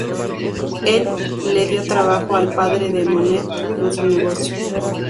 Él le dio trabajo al padre de Monet en su negocio.